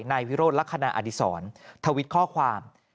นายวิโรธลักษณะอดีศรทวิตข้อความ